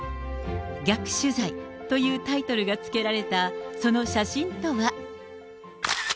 逆取材というタイトルが付けられたその写真とは。